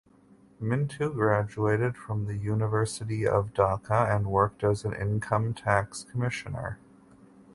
Mintu graduated from the University of Dhaka and worked as an income tax commissioner.